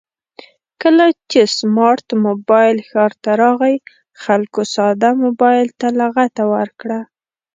کله چې سمارټ مبایل ښار ته راغی خلکو ساده مبایل ته لغته ورکړه